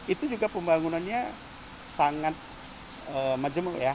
itu juga pembangunannya sangat majemuk ya